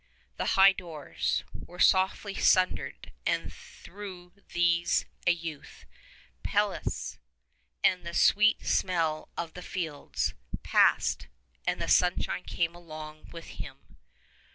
. the high doors Were softly sunder'd, and thro' these a youth, Pelleas, and the sweet smell of the fields Past, and the sunshine came along with him.